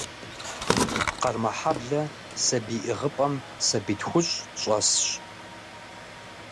Къармэхьэблэ сабий ӏыгъыпӏэм сабий тхущӀ щӀэсщ.